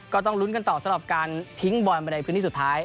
ก็ต้องลุ้นกันต่อสำหรับการทิ้งบอลไปในพื้นที่สุดท้าย